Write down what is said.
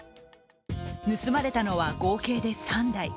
盗まれたのは合計で３台。